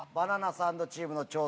サンドチームの挑戦